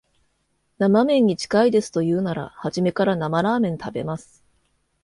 生めんに近いですと言うなら、初めから生ラーメン食べます